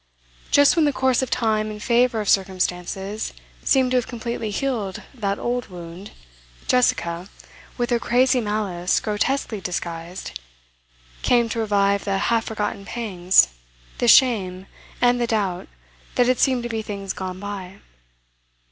Just when the course of time and favour of circumstances seemed to have completely healed that old wound, Jessica, with her crazy malice grotesquely disguised, came to revive the half forgotten pangs, the shame and the doubt that had seemed to be things gone by.